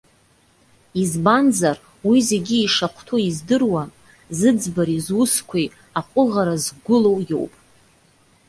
Избанзар, уи зегьы ишахәҭоу издыруа, зыӡбареи зусқәеи аҟәыӷара згәылоу иоуп.